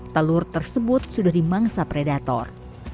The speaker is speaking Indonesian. telur tersebut sudah dimangsa predator